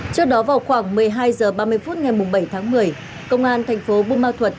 trước đó vào khoảng một mươi hai h ba mươi phút ngày bảy tháng một mươi công an thành phố bù ma thuật